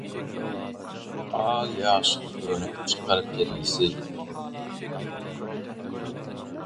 Al-ýaşyl bürenip çykar perisi,